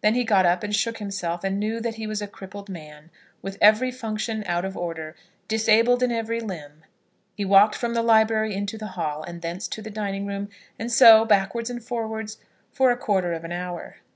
Then he got up and shook himself, and knew that he was a crippled man, with every function out of order, disabled in every limb. He walked from the library into the hall, and thence to the dining room, and so, backwards and forwards, for a quarter of an hour.